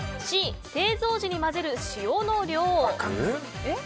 Ｃ、製造時に混ぜる塩の量。